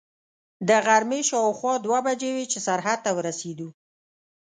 د غرمې شاوخوا دوې بجې وې چې سرحد ته ورسېدو.